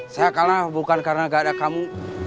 saya kalah bukan karena gak ada kamu